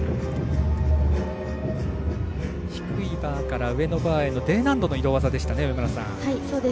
低いバーから上のバーへのＤ難度の移動技でしたね。